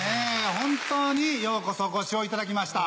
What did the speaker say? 本当にようこそお越しをいただきました。